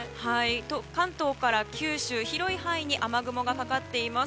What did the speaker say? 関東から九州、広い範囲に雨雲がかかっています。